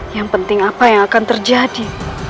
yang penting apa yang akan terjadi